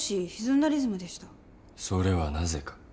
それはなぜか？